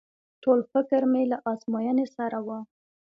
ټول فکر مې له ازموينې سره و.